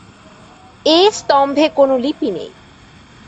এ স্তম্ভে কোন লিপি নেই।